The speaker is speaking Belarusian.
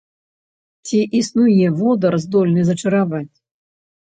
Ці існуе водар, здольны зачараваць?